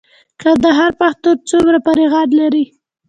کندهار پوهنتون څومره فارغان لري؟